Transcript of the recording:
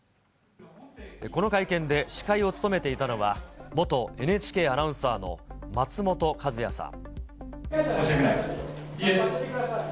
この会見で司会を務めていたのは、元ＮＨＫアナウンサーの松本和也さん。